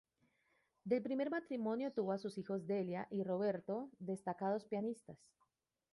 Del primer matrimonio tuvo a sus hijos Delia y Roberto, destacados pianistas.